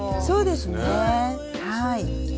そうですねはい。